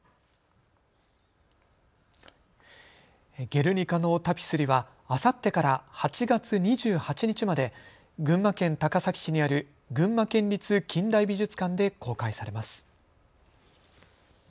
ゲルニカのタピスリはあさってから８月２８日まで群馬県高崎市にある群馬県立近代美術館で公開されます。